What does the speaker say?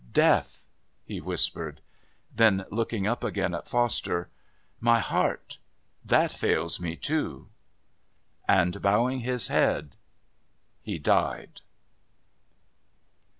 Death," he whispered. Then, looking up again at Foster, "My heart. That fails me too." And, bowing his head, he died.